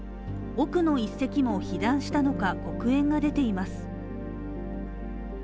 奥の１隻も被弾したのか、黒煙が出ています。